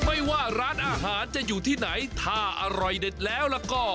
ไม่ว่าร้านอาหารจะอยู่ที่ไหนถ้าอร่อยเด็ดแล้วแล้วก็